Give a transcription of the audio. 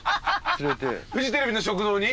フジテレビの食堂に？